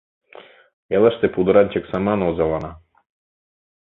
Элыште пудыранчык саман озалана.